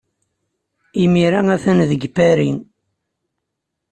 Imir-a atan deg Paris.